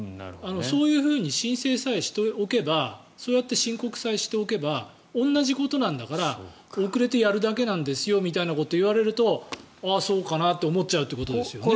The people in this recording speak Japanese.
そういうふうに申請さえしておけばそうやって申告さえしておけば同じことなんだから遅れてやるだけなんですよみたいなことを言われるとああ、そうかなと思っちゃうということですよね。